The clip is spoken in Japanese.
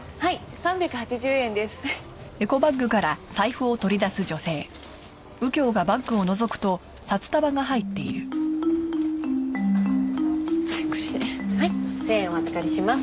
１０００円お預かりします。